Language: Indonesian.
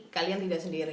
kalian tidak sendiri